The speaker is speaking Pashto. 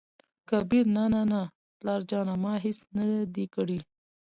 کبير : نه نه نه پلاره جانه ! ما هېڅ نه دى کړي.